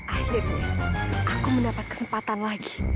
akhirnya tuh aku mendapat kesempatan lagi